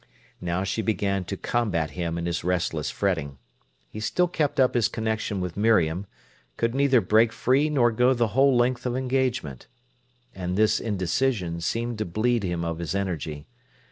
Now she began to combat him in his restless fretting. He still kept up his connection with Miriam, could neither break free nor go the whole length of engagement. And this indecision seemed to bleed him of his energy.